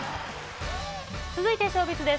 続いてショービズです。